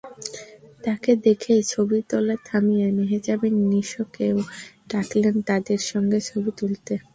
তাঁকে দেখেই ছবি তোলা থামিয়ে মেহজাবিন নিশোকেও ডাকলেন তাঁদের সঙ্গে ছবি তুলতে।